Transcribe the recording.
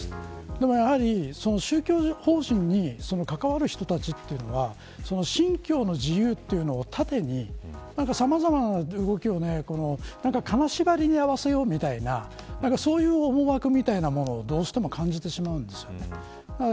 でもやはり、宗教法人に関わる人たちというのは信教の自由というのを盾にさまざまな動きを金縛りに合わせようみたいなそういう思惑みたいなものをどうしても感じてしまうんですよね。